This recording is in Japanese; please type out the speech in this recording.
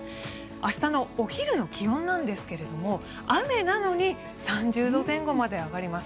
明日のお昼の気温なんですが雨なのに３０度前後まで上がります。